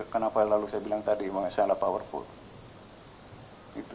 kenapa lalu saya bilang tadi mengesanlah power vote